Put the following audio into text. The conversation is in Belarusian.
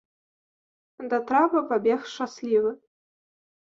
Да трапа пабег шчаслівы.